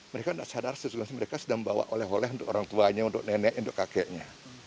mereka tidak sadar sesungguhnya mereka sedang bawa oleh oleh untuk orang tuanya untuk nenek untuk kakeknya